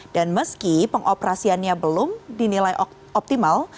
dan meski pengoperasiannya belum dinilai optimal